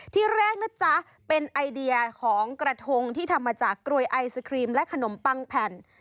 ที่แรกนะจ๊ะเป็นไอเดียของกระทงที่ทำมาจากกรวยไอศครีมและขนมปังแผ่น